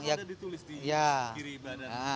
ada ditulis di kiri badan